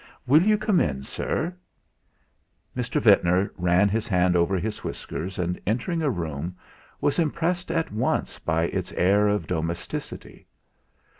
"Will you come in, sir?" Mr. Ventnor ran his hand over his whiskers, and, entering a room, was impressed at once by its air of domesticity.